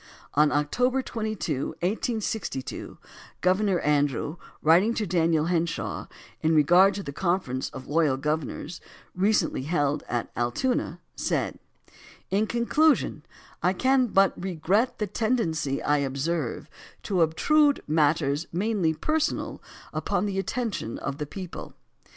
On October 22, 1862, Governor Andrew, writing to Daniel Henshaw in regard to the conference of loyal governors recently held at Altoona, said: In conclusion I cannot but regret the tendency I observe to obtrude matters mainly personal upon the attention of the people.